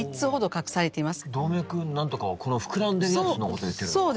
動脈なんとかはこの膨らんでるやつのことを言ってるのか？